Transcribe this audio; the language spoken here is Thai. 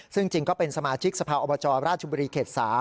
ซึ่งจริงก็เป็นสมาชิกสภาวอบจราชบุรีเขต๓